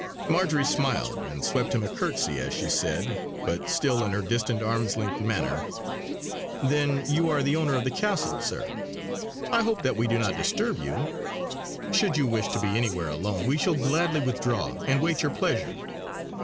Marjory smiled, and swept him a curtsey as she said, but still in her distant arm's length manner: "Then you are the owner of the castle, sir. I hope that we do not disturb you. Should you wish to be anywhere alone we shall gladly withdraw and wait your pleasure."